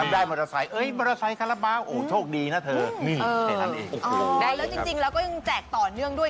ได้มอเตอร์ไซค์อันต้อนเนิ่งนะแล้วจริงก็ยังแจกต่อเนื่องด้วย